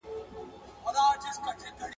• د مېړه خوی د زمري زړه غواړي.